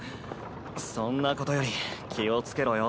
そんなことより気をつけろよ。